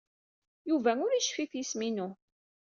Yuba ur yecfi ɣef yisem-inu.